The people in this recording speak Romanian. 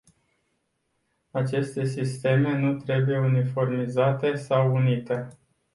Aceste sisteme nu trebuie uniformizate sau unite.